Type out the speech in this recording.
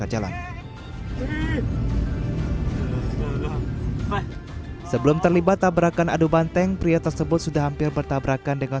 jalan sebelum terlibat tabrakan adu banteng pria tersebut sudah hampir bertabrakan dengan